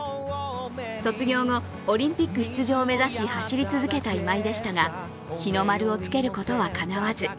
卒業後、オリンピック出場を目指し走り続けた今井でしたが日の丸をつけることはかなわず。